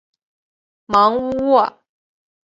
芒乌沃。